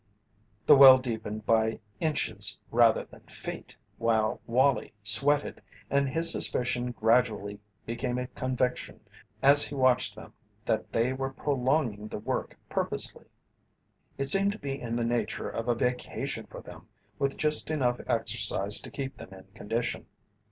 The well deepened by inches rather than feet while Wallie sweated, and his suspicion gradually became a conviction as he watched them that they were prolonging the work purposely. It seemed to be in the nature of a vacation for them with just enough exercise to keep them in condition.